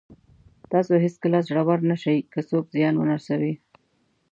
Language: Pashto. تاسو هېڅکله زړور نه شئ که څوک زیان ونه رسوي.